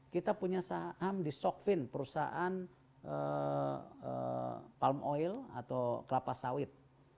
kita punya saham di sokvin perusahaan palm oil atau kelapa sawit